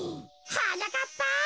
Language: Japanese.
はなかっぱ！